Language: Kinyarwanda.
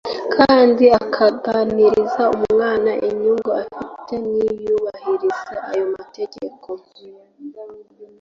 kandi akaganiriza umwana inyungu afite niyubahiriza ayo mategeko